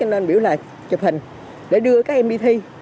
nên biểu là chụp hình để đưa các em đi thi